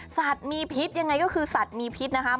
สัตว์มีพิษยังไงก็คือสัตว์มีพิษนะครับ